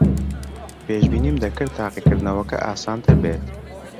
پێشبینیم دەکرد تاقیکردنەوەکە ئاسانتر بێت.